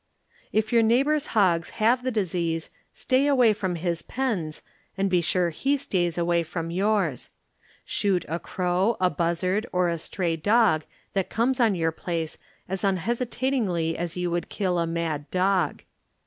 If your neighbor's hogs have the dis ease, stay away from bis pens and be sure he stays away from yours. Shoot a crow, a buzzard, or a stra^ dog that comes on your place as unhesitatingly as you would kill a mad dog.